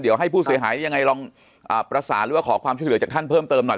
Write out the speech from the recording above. เดี๋ยวให้ผู้เสียหายยังไงลองประสานหรือว่าขอความช่วยเหลือจากท่านเพิ่มเติมหน่อย